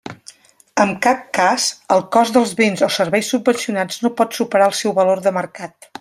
En cap cas, el cost dels béns o serveis subvencionats no pot superar el seu valor de mercat.